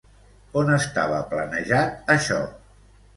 On estava planejat això?